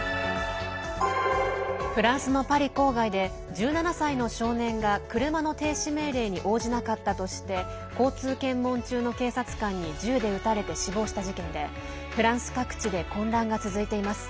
フランスのパリ郊外で１７歳の少年が車の停止命令に応じなかったとして交通検問中の警察官に銃で撃たれて死亡した事件でフランス各地で混乱が続いています。